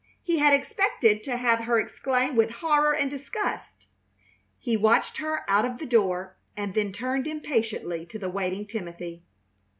He had expected to have her exclaim with horror and disgust. He watched her out of the door, and then turned impatiently to the waiting Timothy.